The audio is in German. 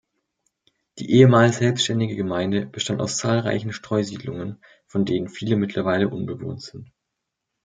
Die ehemals selbstständige Gemeinde bestand aus zahlreichen Streusiedlungen, von denen viele mittlerweile unbewohnt sind.